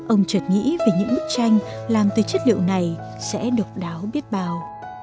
ông chợt nghĩ về những bức tranh làm tới chất liệu này sẽ độc đáo biết bào